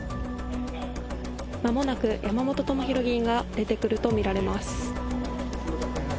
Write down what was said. まもなく、山本朋広議員が出てくると見られます。